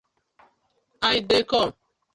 I dey kom.